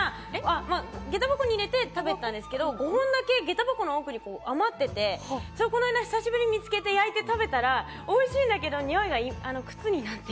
下駄箱に入れて食べてたんですけど５本だけ下駄箱の奥に余っていてこの間久しぶりに焼いて食べたらおいしいんだけどにおいが靴になって。